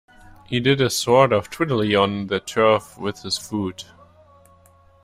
He did a sort of twiddly on the turf with his foot.